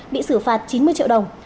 bị xử phạt chín mươi triệu đồng